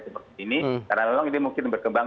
seperti ini karena memang ini mungkin berkembang